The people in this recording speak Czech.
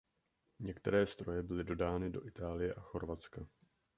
Některé stroje byly dodány do Itálie a Chorvatska.